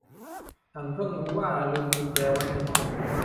ฉันเพิ่งรู้ว่าลืมกุญแจไว้ในห้อง